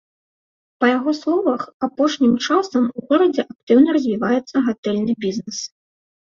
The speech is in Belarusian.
Па яго словах, апошнім часам у горадзе актыўна развіваецца гатэльны бізнэс.